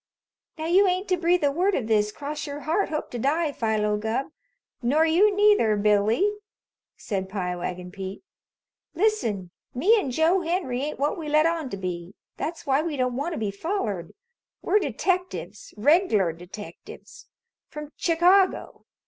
"Now you ain't to breathe a word of this, cross your heart, hope to die, Philo Gubb. Nor you neither, Billy," said Pie Wagon Pete. "Listen! Me an' Joe Henry ain't what we let on to be. That's why we don't want to be follered. We're detectives. Reg'lar detectives. From Chicago.